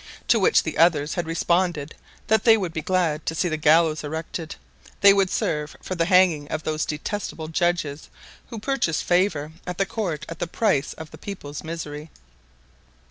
To which the others had responded that they would be glad to see the gallows erected; they would serve for the hanging of those detestable judges who purchased favor at court at the price of the people's misery.